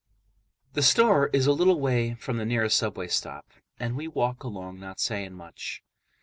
The store is a little way from the nearest subway stop, and we walk along not saying much.